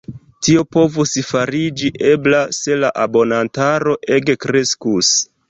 Tio povus fariĝi ebla, se la abonantaro ege kreskus.